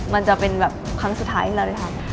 มันจะเป็นแบบครั้งสุดท้ายที่เราได้ทำ